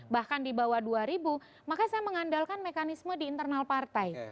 bahkan di bawah dua ribu maka saya mengandalkan mekanisme di internal partai